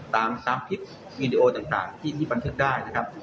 ตามคลิปวิดีโอที่ปันเขาได้นะครับ